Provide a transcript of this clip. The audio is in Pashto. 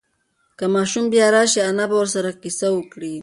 که ماشوم بیا راشي، انا به ورسره قصه وکړي.